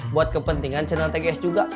buat kepentingan cerna tgs juga